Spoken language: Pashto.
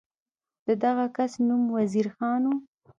د دغه کس نوم وزیر خان و.